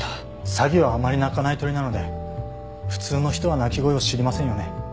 サギはあまり鳴かない鳥なので普通の人は鳴き声を知りませんよね。